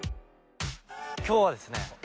今日はですね